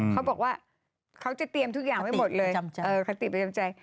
เขาบอกว่าเขาจะเตรียมทุกอย่างไว้หมดเลยคติประจำใจ